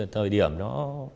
thời điểm nó